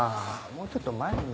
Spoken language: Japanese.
もうちょっと前に。